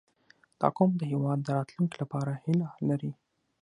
• دا قوم د هېواد د راتلونکي لپاره هیله لري.